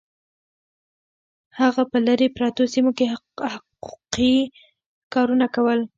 هغه په لرې پرتو سیمو کې حقوقي کارونه کول